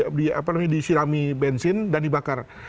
ban itu disirami bensin dan dibakar